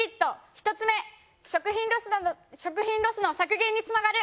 １つめ食品ロスの削減につながる。